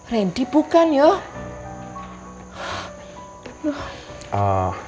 randy bukan yuk